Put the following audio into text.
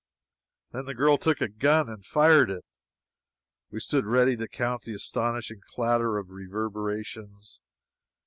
Then the girl took a gun and fired it. We stood ready to count the astonishing clatter of reverberations.